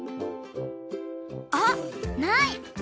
あっない！